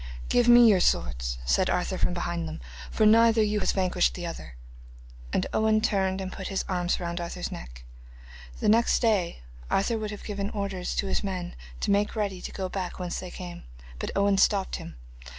'Give me your swords,' said Arthur from behind them, 'for neither of you has vanquished the other,' and Owen turned and put his arms round Arthur's neck. The next day Arthur would have given orders to his men to make ready to go back whence they came, but Owen stopped him.